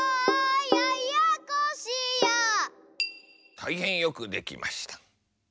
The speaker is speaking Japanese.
たいへんよくできました。